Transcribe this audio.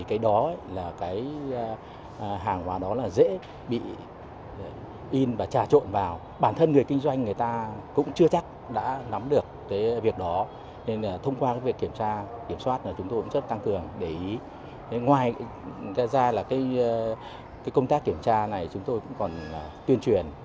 các công tác kiểm tra này chúng tôi cũng còn tuyên truyền